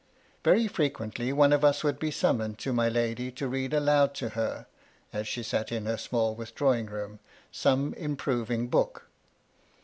MY LADY LUDLOW. 41 Very frequently one of us would be summoned to my lady to read aloud to her, as she sat in her small withdrawing room, some improving book.